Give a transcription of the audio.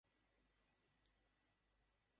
মন্ত্রিপরিষদের আকার সীমাবদ্ধ।